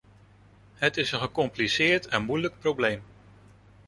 Het is een gecompliceerd en moeilijk probleem.